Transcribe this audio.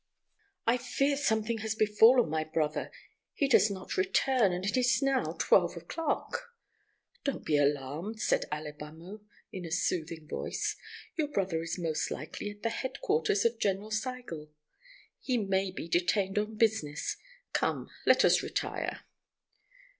"I fear something has befallen my brother. He does not return, and it is now twelve o'clock!" "Don't be alarmed," said Alibamo, in a soothing voice; "your brother is most likely at the head quarters of General Sigel. He may be detained on business. Come, let us retire."